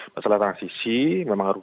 masalah transisi memang harus